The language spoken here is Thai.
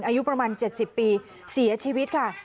อายุประมาณ๗๐ปีเสียชีวิตค่ะ